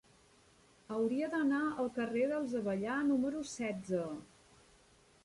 Hauria d'anar al carrer dels Avellà número setze.